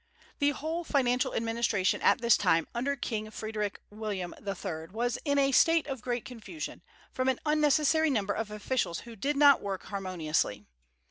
The whole financial administration at this time under King Frederick William III was in a state of great confusion, from an unnecessary number of officials who did not work harmoniously.